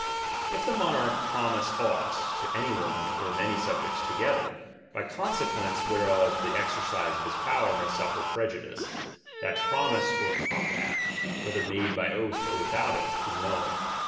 If the monarch promise aught to any one or many subjects together, by consequence where of the exercise of his power may suffer prejudice, that promise or compact, whether made by oath or without it, is null.